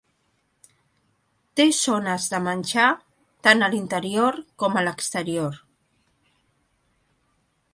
Té zones de menjar, tant a l"interior com a l"exterior.